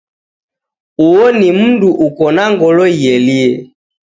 Uo ni mundu uko na ngolo ielie